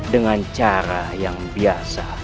dengan cara yang biasa